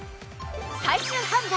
最終販売！